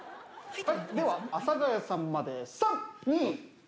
では、阿佐ヶ谷さんまで３、２。